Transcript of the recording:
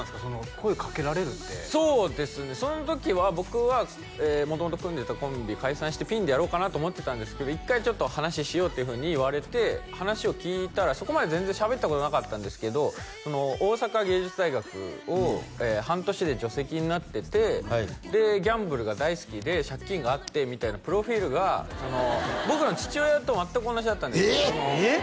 声掛けられるってそうですねその時は僕は元々組んでたコンビ解散してピンでやろうかなと思ってたんですけど一回ちょっと話しようっていうふうに言われて話を聞いたらそこまで全然しゃべったことなかったんですけど大阪芸術大学を半年で除籍になっててでギャンブルが大好きで借金があってみたいなプロフィールが僕の父親と全く同じだったんですよええっ！？